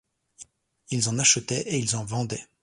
Ils en achetaient et ils en vendaient.